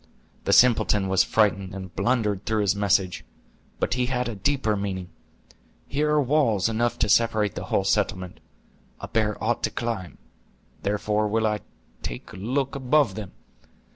"The simpleton was frightened, and blundered through his message; but he had a deeper meaning. Here are walls enough to separate the whole settlement. A bear ought to climb; therefore will I take a look above them.